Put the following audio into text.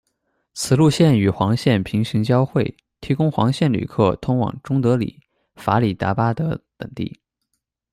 此路线与黄线平行交会，提供黄线旅客通往中德里、、法里达巴德等地。